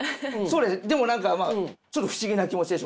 でも何かまあちょっと不思議な気持ちで。